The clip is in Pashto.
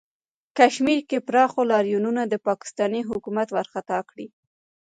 کشمیر کې پراخو لاریونونو د پاکستانی حکومت ورخطا کړی